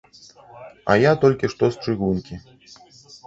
А я толькі што з чыгункі.